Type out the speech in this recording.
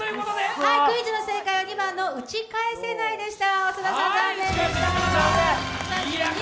クイズの正解は２番の「打ち返せない」でした。